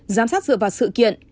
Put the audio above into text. giám sát dựa vào sự kiện